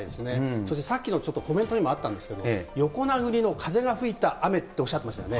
そしてさっきのコメントにもあったんですけれども、横殴りの風が吹いた雨っておっしゃってましたよね。